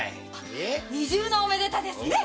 二重のおめでたですね。